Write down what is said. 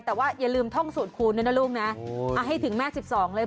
แต่ว่าอย่าลืมท่องสูตรคูณด้วยนะลูกนะให้ถึงแม่๑๒เลย